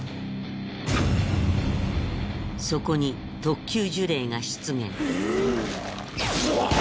そこに特級呪霊が出現ぶおっ！